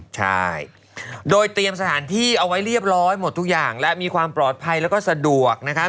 ใช่โดยเตรียมสถานที่เอาไว้เรียบร้อยหมดทุกอย่างและมีความปลอดภัยแล้วก็สะดวกนะครับ